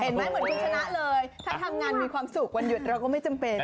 เหมือนคุณชนะเลยถ้าทำงานมีความสุขวันหยุดเราก็ไม่จำเป็น